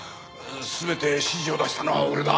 全て指示を出したのは俺だ。